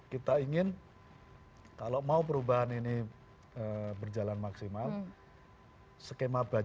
kita ingin kalau mau perubahan ini berjalan maksimal kita harus mengambil kesempatan